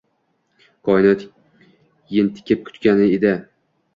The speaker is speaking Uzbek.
Koinot entikib kutgandi uni